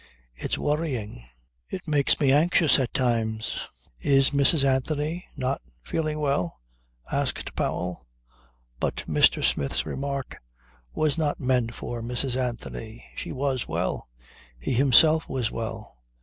It's worrying. It makes me anxious at times." "Is Mrs. Anthony not feeling well?" asked Powell. But Mr. Smith's remark was not meant for Mrs. Anthony. She was well. He himself was well.